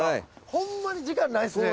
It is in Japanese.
ホンマに時間ないですね